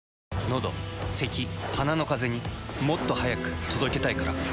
のどせき鼻のカゼにもっと速く届けたいから。